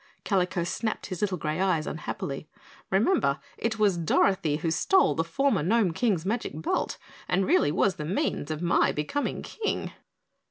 Kalico snapped his little gray eyes unhappily. "Remember it was Dorothy who stole the former Gnome King's magic belt and really was the means of my becoming King."